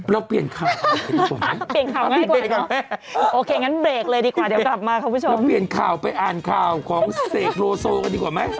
เราเปลี่ยนข่าวใหม่ก่อน